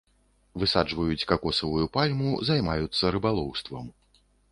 Высаджваюць какосавую пальму, займаюцца рыбалоўствам.